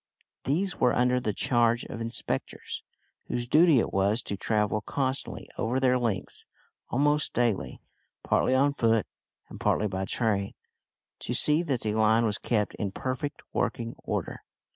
These were under the charge of inspectors, whose duty it was to travel constantly over their lengths almost daily partly on foot and partly by train, to see that the line was kept in perfect working order.